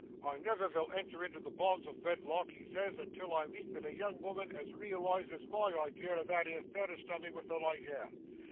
I never vill enter into the bonds of vedlock," he says, "until I meet vith a young 'ooman as realises my idea o' that 'ere fairest dummy vith the light hair.